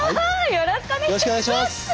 よろしくお願いします。